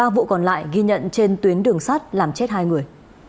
ba vụ còn lại ghi nhận trên tuyến đường sắt làm chết hai người